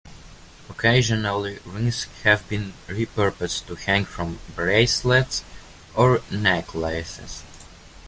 Occasionally rings have been re-purposed to hang from bracelets or necklaces.